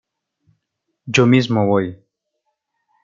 Yo mismo voy.